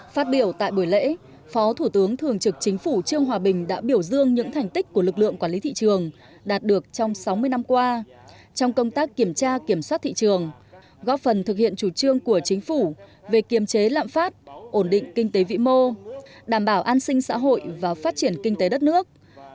phát biểu tại buổi lễ phó thủ tướng thường trực chính phủ trương hòa bình đã biểu dương những thành tích của lực lượng quản lý thị trường đạt được trong sáu mươi năm qua trong công tác kiểm tra kiểm soát thị trường góp phần thực hiện chủ trương của chính phủ về kiềm chế lạm phát ổn định kinh tế vĩ mô đảm bảo an sinh xã hội và phát triển kinh tế đất nước